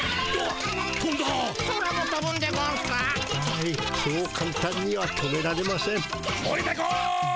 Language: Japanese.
はいそうかんたんには止められません。